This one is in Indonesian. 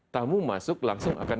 tamu masuk langsung akan